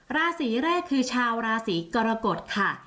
ราศีแรกคือชาวราศีกรกฎค่ะ